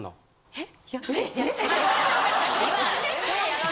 えっ。